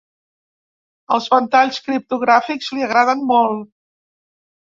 Els ventalls criptogràfics li agraden molt.